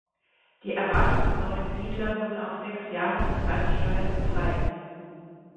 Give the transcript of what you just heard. Die erwarteten neuen Siedler wurden auf sechs Jahre von allen Steuern befreit.